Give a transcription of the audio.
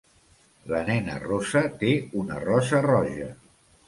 La nena rossa té una rosa roja.